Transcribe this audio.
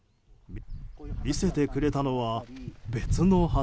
見せてくれたのは別の畑。